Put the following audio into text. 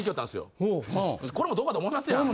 これもどうかと思いますやん。